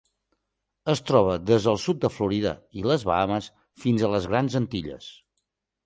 Es troba des del sud de Florida i les Bahames fins a les Grans Antilles.